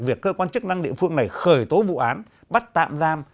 việc cơ quan chức năng địa phương này khởi tố vụ án bắt tạm giam